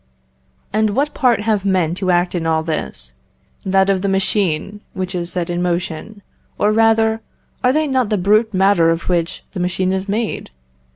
And what part have men to act in all this? That of the machine, which is set in motion; or rather, are they not the brute matter of which the machine is made?